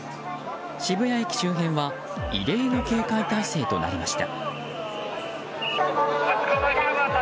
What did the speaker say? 渋谷駅周辺は異例の警戒態勢となりました。